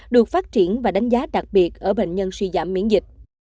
được phát triển và đánh giá đặc biệt ở bệnh nhân suy giảm miễn dịch